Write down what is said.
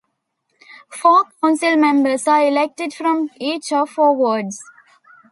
Four council members are elected from each of four wards.